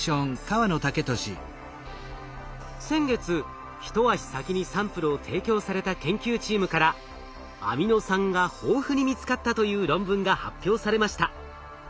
先月一足先にサンプルを提供された研究チームからアミノ酸が豊富に見つかったという論文が発表されました。